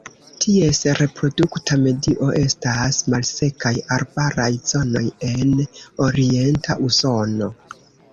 Ties reprodukta medio estas malsekaj arbaraj zonoj en orienta Usono.